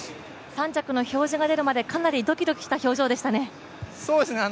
３着の表示が出るまでかなりドキドキした表情でしたね。